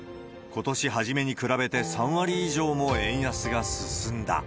ことし初めに比べて３割以上も円安が進んだ。